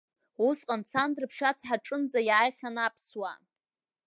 Усҟан Цандрыԥшь ацҳа аҿынӡа иааихьан аԥсуаа.